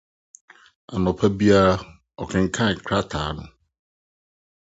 Anɔpa biara ɔkenkan krataa no.